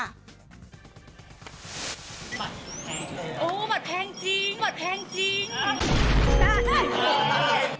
บัตรแพงเลยโอ้บัตรแพงจริงบัตรแพงจริงได้